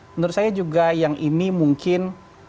menurut saya juga yang ini mungkin